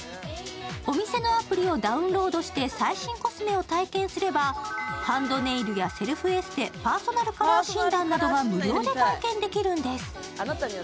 お店のアプリをダウンロードして最新コスメを体験すれば、ハンドネイルやセルフエステパーソナルカラー診断などが無料で体験できるんです。